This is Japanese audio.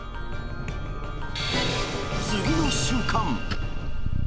次の瞬間。